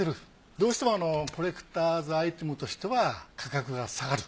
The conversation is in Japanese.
どうしてもコレクターズアイテムとしては価格が下がる。